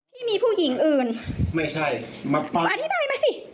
ที่มีผู้หญิงอื่นไม่ใช่มาฟังอธิบายมาสิ